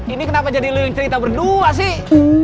ini kenapa jadi link cerita berdua sih